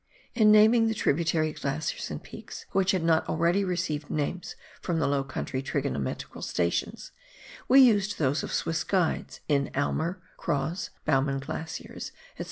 In naming the tributary glaciers and peaks which had not already received names from the low country trigonometrical stations, we used those of Swiss guides, in Aimer, Croz, Baumann Glaciers, &c.